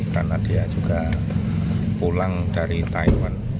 karena dia juga pulang dari taiwan